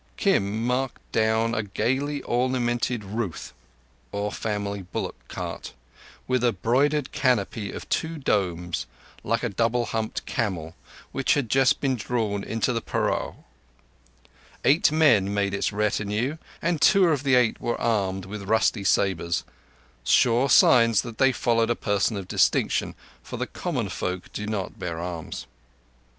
Kim marked down a gaily ornamented ruth or family bullock cart, with a broidered canopy of two domes, like a double humped camel, which had just been drawn into the parao. Eight men made its retinue, and two of the eight were armed with rusty sabres—sure signs that they followed a person of distinction, for the common folk do not bear arms.